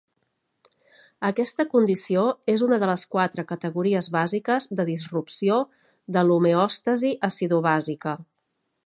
Aquesta condició és una de les quatre categories bàsiques de disrupció de l'homeòstasi acidobàsica.